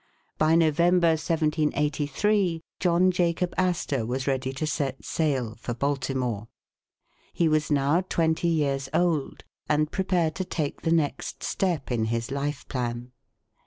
By November, 1783, John Jacob Astor was ready to set sail for Baltimore. He was now twenty years old, and prepared to take the next step in his life plan.